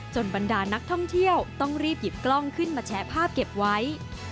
บรรดานักท่องเที่ยวต้องรีบหยิบกล้องขึ้นมาแชะภาพเก็บไว้